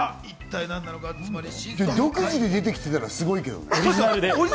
独自で出てきたらすごいよ。